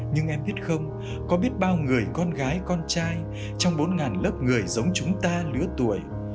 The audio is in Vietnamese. nhưng em biết không có biết bao người con gái con trai trong bốn lớp người giống chúng ta lứa tuổi